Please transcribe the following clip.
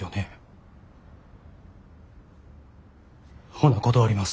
ほな断ります。